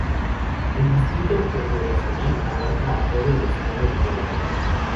El distrito congresional abarca a todo el estado de Delaware.